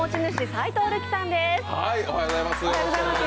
斎藤瑠希さんです。